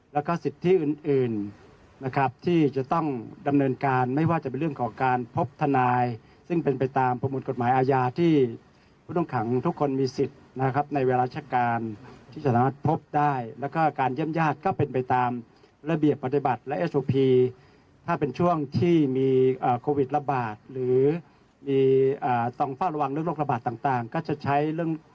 แล้วก็สิทธิอื่นนะครับที่จะต้องดำเนินการไม่ว่าจะเป็นเรื่องของการพบทนายซึ่งเป็นไปตามประมวลกฎหมายอาญาที่ผู้ต้องขังทุกคนมีสิทธิ์นะครับในเวลาราชการที่สามารถพบได้แล้วก็การเยี่ยมญาติก็เป็นไปตามระเบียบปฏิบัติและเอสูพีถ้าเป็นช่วงที่มีโควิดระบาดหรือมีต้องเฝ้าระวังเรื่องโรคระบาดต่างก็จะใช้เรื่อง